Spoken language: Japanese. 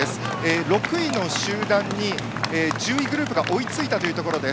６位の集団に１０位グループが追いついたというところです。